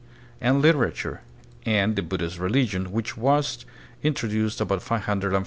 59 and literature, and the Buddhist religion, which was in troduced about 550 A.D.